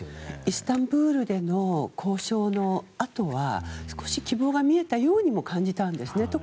イスタンブールでの交渉のあとは少し希望が見えたようにも感じたんですね。